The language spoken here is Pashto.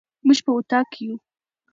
موږ په اطاق کي يو